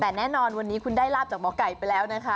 แต่แน่นอนวันนี้คุณได้ลาบจากหมอไก่ไปแล้วนะคะ